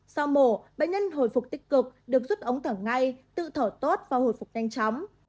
sau mổ bệnh nhân hồi phục tích cực được rút ống thở ngay tự thở tốt và hồi phục nhanh chóng